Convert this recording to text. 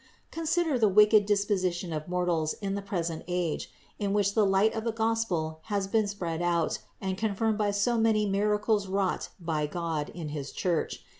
499. Consider the wicked disposition of mortals in the present age, in which the light of the Gospel has been spread out and confirmed by so many miracles wrought by God in his Church.